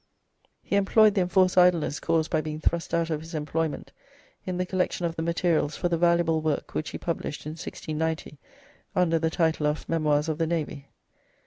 He employed the enforced idleness caused by being thrust out of his employment in the collection of the materials for the valuable work which he published in 1690, under the title of "Memoirs of the Navy."